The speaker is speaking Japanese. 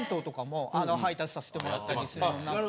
させて貰ったりするようになって。